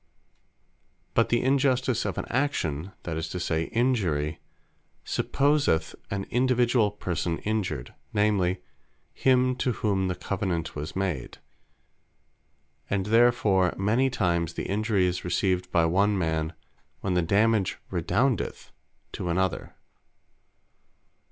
But the Injustice of an Action, (that is to say Injury,) supposeth an individuall person Injured; namely him, to whom the Covenant was made: And therefore many times the injury is received by one man, when the dammage redoundeth to another.